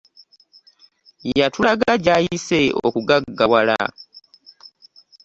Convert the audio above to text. Yatulaga gy'ayise okugaggawala.